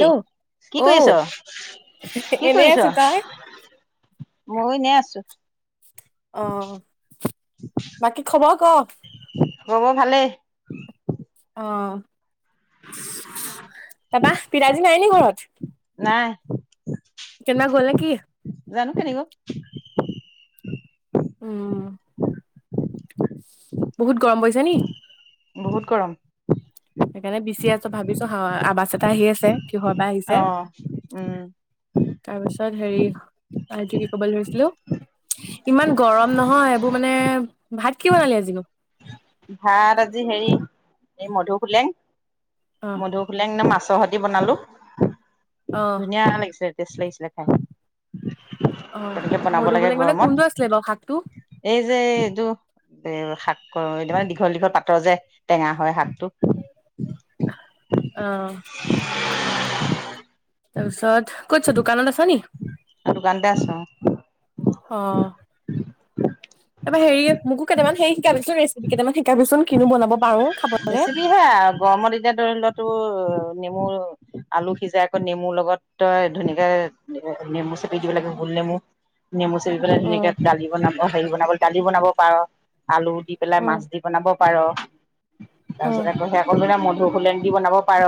কি কি অঔ কৰিছ, কি এনেই কৰিছ আছো তই ময়ো এনে আছো। অ বাকী খবৰ ক হব ভালেই অ বাবা বিিৰাজি নাই নি ঘৰত আহ কো গল কি জানো কেনেক উম বহুত গৰম পৰিছো নি বহুত গৰম সেইকাৰণে বিচিছো ভিছো আৱাজ এটা আহি আছে কিহৰ বা আহিছে অ', উম, তাৰপিছত তাত হি আহাই যে কবল ম হেল্ল' ইমান গৰম নহয় এইবোৰ মানে ভাত কি বনালি আজিক ভাত আজি হেৰি এই মধু খুলে অ মধু ফুলেং নাম আাছে চহতি বনালো অ ধুনীয়া লাগিছে তেছ লাগছিল ল খাই অ গতিকে বনাব লাগে মধুসোলেং মানে গৰমত কোনটো আছিলে বাৰু শাকটো এই যে এইটো এ শাক মানে দীঘল দীঘল পাতৰ যে টেঙা হয় শাক ত অ তাৰপিছত কোত আছা দোকানত আছনি দোকানতে আছো অ তবাৰ হেৰি মোকো কেইটামান সেই শিকাবি ৰেচিপি কেইটামান শিকাবিচোন কিনো বনাব পাৰো খাবলে বেছিবিহে গৰমৰ দিনা ধৰি লোৱাতো নেমু আলু সিজাই আকৌ নেমুৰ লগত তই ধুনীয়াকে নেমু চেপি দিব লাগে গোল নেমু নেমু চেল পেলাই ধুনকে উম, দালি বনাব হেৰি বনাব দালি বনাব পাৰ আলু দি পেলাই উম, মাছ দি পাৰ তাৰপিছত উম, আকৌ সেই সকলো মন [unintelligible] হলে দি বনাব পাৰ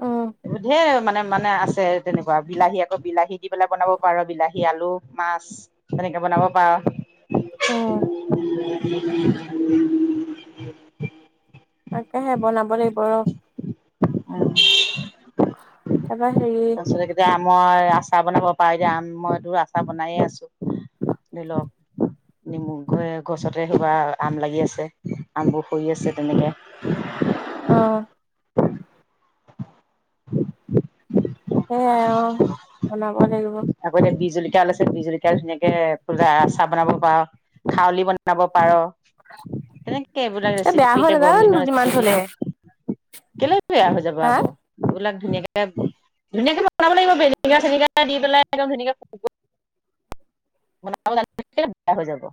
উম, ধেৰ মানে মানে আছে তেনেকুৱা বিলাহী আকৌ বিলাহী দি পেলাই বনাব পাৰ বিলাহী আলু মাছ তেনেকে বনাব পাৰো [inaudible] উম, তাকেহে বনাব লাগিব বৰফ তাৰপৰা হেৰি মই আচাৰ বনাব পাৰো এতি আম মইতো আচাৰ বনায়ে আছো ধৰি লওক নিমু গছতে আম লাগি আছে আমবোৰ সৰি আছে তেনেকে অ [inaudible] [inaudible] সে অ অ ক'ব লাগিব আকৌ এতিয়া বিজ জলকীয়া ওলাইছে বিজ জলকীয়া ধুনীয়াকে আচাৰ বনাব পাৰ খাউলি বনাব পাৰ তেনেকে এইবিলাক এ ৰেচিপি বেয়া হৈ এতিয়া নাযায় গৰম জানো দিনৰ দুদিনমান ৰেচিপি থলে? কেলে বেয়া হৈ যাব হা? আকৌ এইবিলাক ধুনীয়াকে ধুনীয়াকে বনাব লাগিব ভেনেগাৰ চেনেগাৰ দি পেলাই বনাব জানিলে কেলে বেয়া হৈ যাব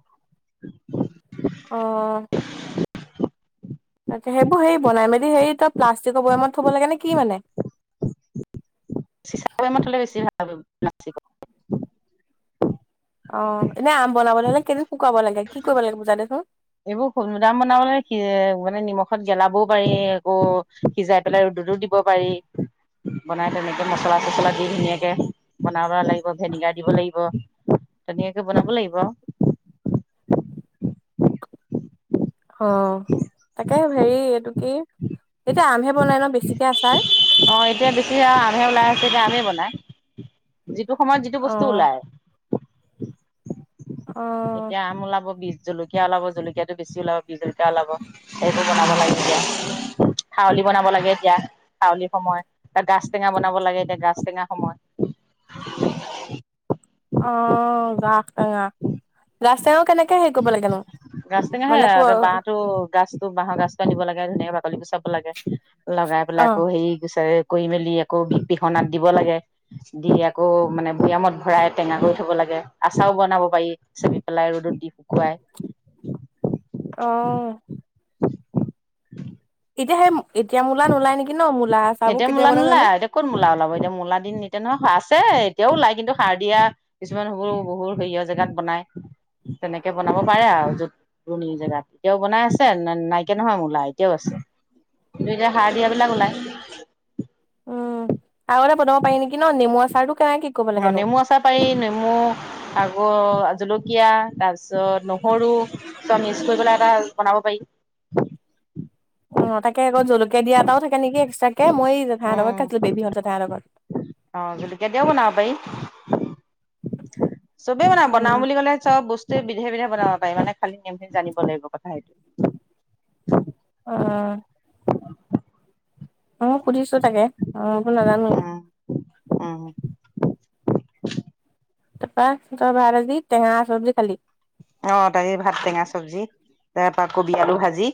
অ তাকে সেইবোৰ হে বনাই মেলি হেৰি তই প্লাষ্টিকৰ বৈয়ামত থ'ব লাগে নে কি মানে! চিচা বৈয়ামত থলে বেছি ভাল া [inaudible] অ এনে আম বনাবলৈ হ'লে কেইদিন শুকাব লাগে কি কৰিব লাগে বুজানেচোন? এইবোৰখোদাম বনাব লাগে মানে নিমখত গেলাবও পাৰি আকৌ সিজাই পেলাই ৰ'দতো দিব পাৰি বনাই তেনেকৈ মছলা চছলা দি ধুনীয়াকৈ বনাব লাগিব ভেনেগাৰ দিব লাগিব তেনকৈয়েে বনাব লাগিব। অ তাকে হেৰি এইটো কি এতিয়া আমহে বনাই ন বেছি অ এতিয়া বেছি আম হে ওলাই আছে আমে বনাম [unintelligible] যিটো সময়ত যিটো বস্তু অ', ওলাই অ', এতিয়া আম ওলাব বিজ জলকীয়া ওলাব জলকীয়াটো বেছি ওলাব বি জলকীয়া ওলাব সেইবোৰ বনাব লাগে এতিয়া খাৱলি বনাব লাগে এতিয়া খাৱলি সময় গাাজ টেঙা বনাব লাগে এতিয়া গাাজ টেঙা সময় অ গা ঙা গাছ টেঙা কেনেকে হেৰি কৰিব লাগেনো? গাছ টেঙা হে মানে ক' এ বাহহটো গছতো বাহৰ গছতটো আনিব লাগে ধুনীয়া কলিব চব লাগে লগাই অ'। পেলাইাকো সেই গছে কৰি মেলি আকৌ বি পিহনাত দিব লাগে দি আকৌ মানে বুয়ামত ভৰাই টেঙা কৰি থ'ব লাগে আচাৰও বনাব পাৰি চেপ পেলাই ৰ'দত দি কাই আহ উ এতিয়া সেই এতিয়া মূলা ওলাই নেকি ন মূলা আচাৰবোৰ এতিয়া কেতিয়া মূলা বনাই জানো এতিয়া ক'ত মূা লাব এতিয়া মূা দিন এতিয়া নহয় শ আছে এতিয়াওলাই কিন্তু সাৰ দিয়া কিছুমান সবোৰ বহু হেৰিয় জেগাত বনাই তেনেকে বনাব পাৰে আৰু যত পুৰণি জেগাত এতিয়াও বনাই আছে নাইকিয় নহয় মোৰ লাই এতিয়াও আছে কিন্তু এতিয়া সাৰ দিয়াবলাক ওলাই উম আৰু এটা বনাব পাৰি নেকি ন নেমু চাৰ টো অ নেমু আচাৰ পাৰি নেমু আকৌ জলকীয়া তাৰপিছত নহৰু চব মিক্স কৰিবেল এটা বনাব পাৰি অ তাকে আকৌ জলকীয়া দিয়া এটাও থাকে নেকি এক্স্ৰ কে মইঠাইৰ লগত উম খাইছিলো বেবীহঁতৰঠাইৰ লগত অ জলকীয়া দিও [inaudible] চবেই বনাওঁ উম বনাও বুলি ক'লে চব বস্তু বিধে বিধে বনাব পাৰি মানে খালি নিয়মখিনি জানিব লাগিব কথা সেইটো আহ অ মই সুধিছো তাকে অো নাজানো উ তাৰপা ত ভাৰ আ য তেহ চব্জি খালি অ তাই ভাত টেঙা চব্জি তাৰ পৰাৰা কবি আলু ভাজি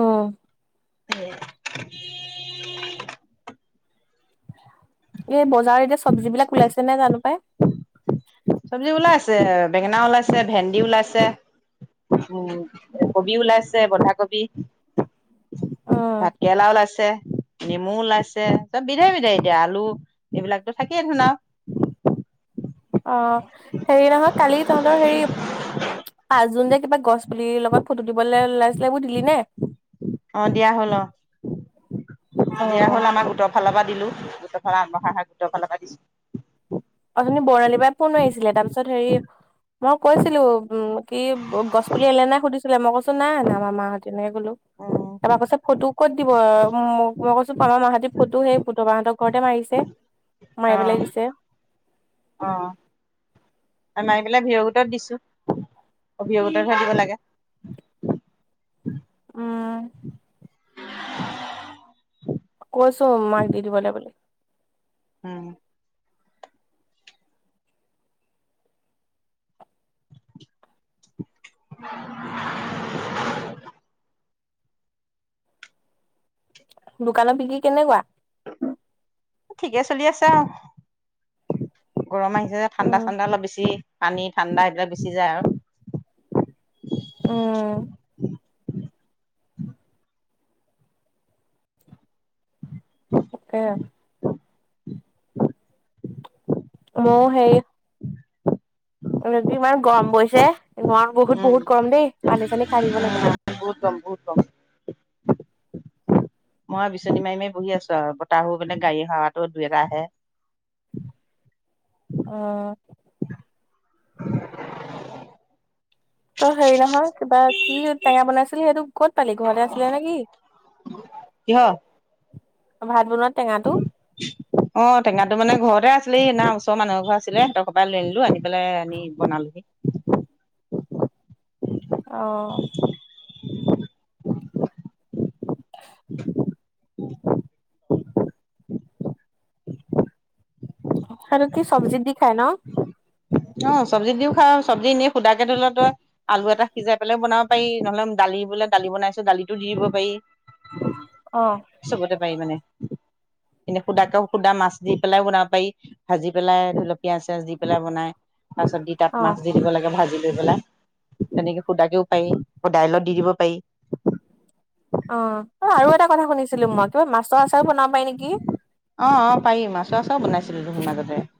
আহ উ এই ব যাৰ এতিয়া চবজি বিলাক ওলাইছে জানো পাই চব্জি ওলাইছে বেঙেনা ওলাইছে ভেন্দি ওলাইছে উম কবি ওলাইছে বন্ধাকবি উম ভাতকেৰেলা ওলাইছে নেমু ওলাইছে চব বিধায় বিধায় এতিয়া আলু এইবিলাকতো থাকিয়ে ধোন আৰু অ হেৰি নহয় কালি তহঁতৰ হেৰি পাঁচ জ যে কিবা গছ পুলিৰ লগত ফটো দিবলৈ ললাই চলাইবোৰ দিলি নে অ দিয়া হল অ দিয়া হল আমাক উ্তৰ ফালৰ পৰা দিলো গোটৰ ফালে আৰমাহাক গোটৰ ফালে পা দিছো অথনি বৰ্ণালীৰ পৰা ফোন আহিছিলে তাৰপিছত হেৰি মই কৈছিলো উম কি গছ পুলি এলে নাই সুধিছিলে মই কৈছো নাই নাই আমাৰ মাহঁতি এনেকে ক'লো অ তবাৰ কৈছে ফটো ক'ত দিব মই কৈছোমাৰ মাহতে ফটো সেই পুতবাহঁতক ঘৰতে মাৰিছে মাৰিবলৈ দিছে। অ আমাৰ এফালে ভিয় গোটত দিছো অ ভিয় গোটতহে দিব লাগে। উম, কৈছো মাক দি দিবলে বুলি। উম, [inaudible] দোকানত বিক্ৰী কেনেকুৱা। ঠিকে চলি আছে আও, গৰম আহিছে যে ঠাণ্ডা উম ঠাণ্ডা অলপবেছি। পানী ঠাণ্ডা এইবিলাক বেছি যায় আৰু উম তাকে, মও সেই, আজি ইমান গৰম বৈছে, নোৱাৰ বহুত উম বহুত গৰম দেই পানী চানী খাই দিব লাগে মানুহে। বহুত গম বহুত গম মই বিচনী মাৰি মাৰি বহি আছো আৰু বতাহু পানে গাড়ী হৱাটো দুই এটা আহে, আহ, তই হেৰি নহয় কিবা কি টেঙা বনাইছিল সেইটো কত পালি ঘৰতে আছিলে নেকি। কিহ ভাত বনোৱা টেঙাটো আহ টেঙাটো মানে ঘৰতে আছিলে এই ওচৰ মানুহ সিহঁতৰ ঘৰ পৰা লৈ আনিলোঁ আ পেলাই আনি বনালোহি। অহ [unintelligible] আৰু কি চব্জি দি খায় ন। অ চব্জি দিও খাওঁ চব্জি এনেই সুধাকে ধৰি লও তই আলু এটা সিজাই পেলাইও বনাব পাৰি নহলে দালি বোলে দালি বনাইছো দালিতো দি দিব পাৰি। অ চবতে মে এ সুদাকে সুদা মাছ দি পেলাই বনাব পাৰি ভাজি পেলাই ধৰি লওক পিয়াজ চিয়াজ দি পেলাই বনাই তাৰ পিছত দি অ তাত মাছ দি দিব লাগে ভাজি দি পেলাই তেনেকে সুধাকেও পাৰি দাইলত দি দিব পাৰি অ আৰু এটা কথা শুনিছিলো মই কিবা মাছৰ আছাৰ বনাব পাই নেকি। অ অ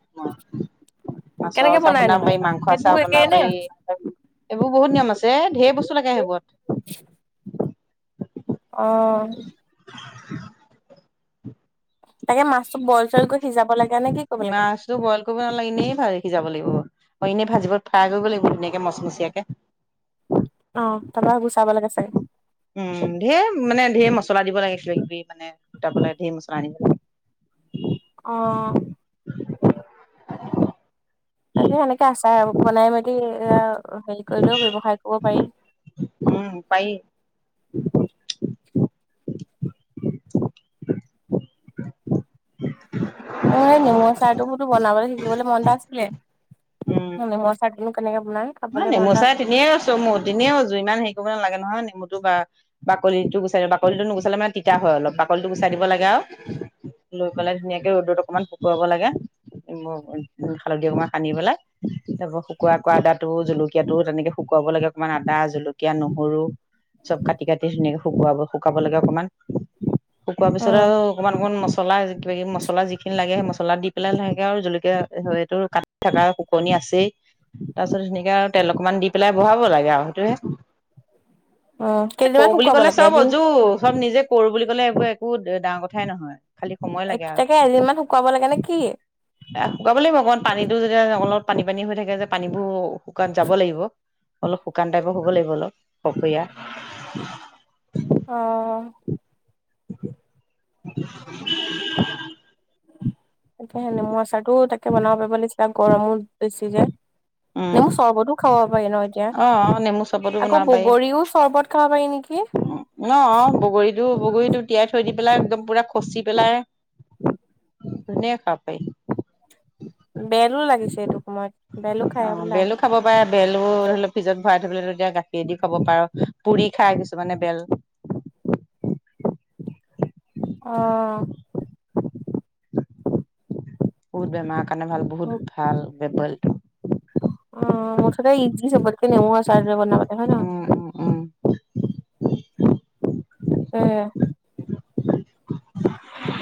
অ কেনেকে আচাৰ বনাইনো? বনাব পাৰি মাংস সেইটো আচাও একেই বনাব নে? পাৰি এইবোৰ বহুত নিয়ম আছে এ ধেঢৰ বস্তু লাগে সেইবোৰত [unintelligible] অহ [inaudible] তাকে মাছ মাছতো বইল কৰিব নালাগে এনেই ভাল কে সিজাব লাগিব মই এনেই ভাজিব ফ্ৰাই কৰিব লাগিব ধুনীয়াকে মচমচিয়াকে আহ তাৰপৰা গুচাব লাগে চাগে উম ঢেৰ মানে ধেৰ মছলা দিব লাগিছিল কিবা কিবি মানে শুটো মছলা আনিব লাগে আহ তাকে সেনেকে আচাৰ বনাই মেলি এয়া হেৰি কৰিলেও ব্যৱসায় কৰিব পাৰি উম পাৰি নাই [unintelligible] মোৰ সেই নেমু আচাৰটো মোৰতো শিকিবলৈ মন এটা আছিলে নেমৰ চাত মোক কেনেকে বনাই মানে খাবলৈ মন নেমু এটা চাই আছিল। তিনেই আছো মুদি তেনেওজো ইমান হেৰি কৰিব নালাগে নহয় নেমু বাকলিটো গুচাই দিব বাকলিটো নুগুচালে মানে তিঁতা হয় অলপ বাকলিটো গুচাই দিব লাগে আৰু লৈ পেলাই ধুনীয়াকে ৰ'দত অকণমান শুকুৱাব লাগে হালধি অকণমান সানি পেলাই তাৰ পৰা শুকুই কৰাদাত টো জলকীয়া টো তেনেকে শুকুৱাব লাগে অকণমান আদা জলকীয়া নহৰু চব কাটি কাটি ধুনাকে শুকুৱাব শুকাব লাগে অকণমান শুকোৱাৰ পিছত উম আৰু অকণমান অকণমান মছলা কিবা কিবি মছলা যিখিনি লাগে সেই মছলা পচলা দি পেলাই লাহেকে আৰু জলকীয়া সটো কাটি থকা শুকনি আছেই তাৰপিছত ধুনাকে আৰু তেল অকণমান দি পেলাই বহাব লাগে আৰু সেইটোহে উম কেইদিনমান কৰো বুলি শুকুৱাব ক'লে লাগে চব এদিন অজু চব নিজে কৰো বুলি ক'লে এইবোৰ একো ডাঙৰ কথাই নহয় খালি সময় এক লাগে আৰু তাকে এদিনমান শুকুৱাব লাগে নে কি? শুকাব লাগিব অকমন পানীটো যেতিয়া অলপ পানী পানী হৈ থাকে যে পানী বোৰ শুকান যাব লাগিব অলপ শুকান টাইপৰ হ'ব লাগিব অলপ ককীয়া আহ নাই সয়া নেমু আচাৰো তাক বনাব পাৰিব লাগছিল গৰমো বেছি যে নে উম মোৰ সৰ্বতো হয় অ অ নেমু চৰবতো বনাব পাৰি বগৰীও চৰ্বত খাব পাৰি নেকি? ন অ বগৰীটো বগৰীটো তিয়াই থৈ দিব পেলাই একদম পুৰা খচি পেলাই ধুন খাব পায় বেলো লাগিছে এইটো সময়ত বেলো খাই অ বোলা বেলো খাব পাৰে বেলো ধৰি লওক ফ্ৰিজত ভৰাই থবলৈ তেতিয়া গাখীৰদি খাব পাৰ পুৰি খাই কিছুমানে বেল অহ বহোত বেমাৰৰ কাৰণে ভাল বহুত ভাল বেপলটো চদাই ইতজি চবতকে নেমুৰ আছাৰটোৱে বনাব উম, উম, উম। উম।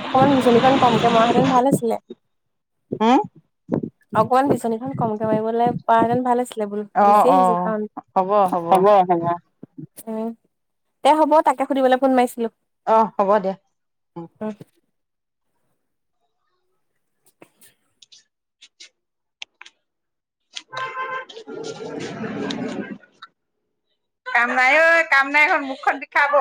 অকণমান বিচনীখন কম কে মৰাহেঁতেন ভাল আছ লে হম? অকমান বিচনীখন কমকে মাৰিবলৈ পাল হেঁতেন ভাল আছিল। অ অ হ'ব হ'ব [inaudible] উম, অ' হ'ব, তাকে সুধিবলৈ ফোন মাৰিছিলো। অ', হ'ব দে। [inaudible] কাম নাই অ', ঐ কাম নাইখন মুখখন বি খাব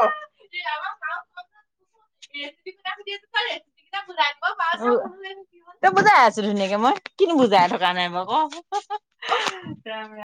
তই বুজাই আছোঁ ধুনীয়াকে মই কিনো বুজাই থকা নাই বাৰু ক'